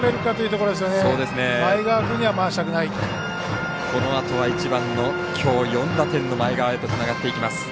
このあとは１番のきょう４打点の前川へとつながっていきます。